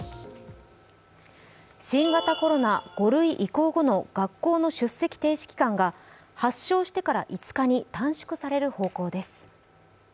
新型コロナ５塁移行後の学校の出席停止期間を発症してから５日に短縮される方向で検討です。